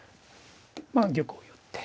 まあ玉を寄って。